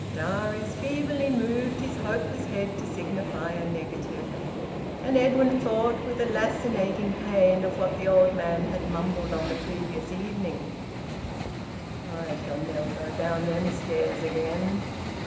Darius feebly moved his hopeless head to signify a negative. And Edwin thought, with a lancinating pain, of what the old man had mumbled on the previous evening: "I shall never go down them stairs again."